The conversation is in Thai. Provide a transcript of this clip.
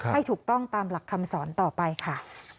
ให้ถูกต้องตามหลักคำสอนต่อไปค่ะ